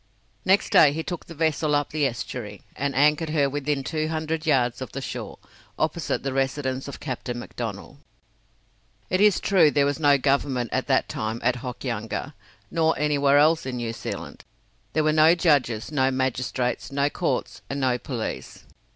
Next day he took the vessel up the estuary, and anchored her within two hundred yards of the shore, opposite the residence of Captain McDonnell. It is true there was no government at that time at Hokianga, nor anywhere else in New Zealand; there were no judges, no magistrates, no courts, and no police.